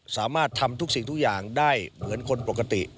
สามารถทำทุกสิ่งทุกอย่างได้เหมือนคนปกติ